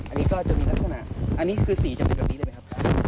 อันนี้ก็จะมีลักษณะอันนี้คือสีจะเป็นแบบนี้ได้ไหมครับ